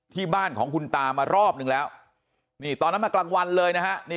ที่บ้านของคุณตามารอบนึงแล้วนี่ตอนนั้นมากลางวันเลยนะฮะนี่